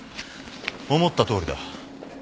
思ったとおりだ。